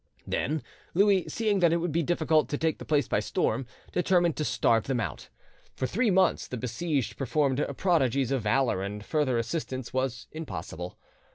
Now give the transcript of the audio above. Then Louis, seeing that it would be difficult to take the place by storm, determined to starve them out. For three months the besieged performed prodigies of valour, and further assistance was impossible.